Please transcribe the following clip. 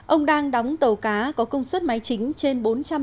ông đang đóng tàu cá có công suất máy chính trên bốn trăm linh